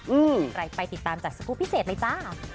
อืมใครไปติดตามจากสกูลพิเศษเลยจ้ะ